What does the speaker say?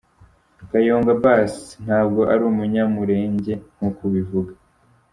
Kayonga Abbas ntabwo arumunyamulege nkuko ubivuga.